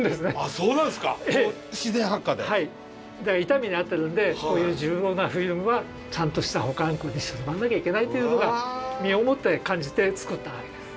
痛い目に遭ってるんでこういう重要なフィルムはちゃんとした保管庫にしまわなきゃいけないっていうのが身をもって感じて作ったわけです。